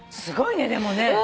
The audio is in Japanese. すごいねでもね。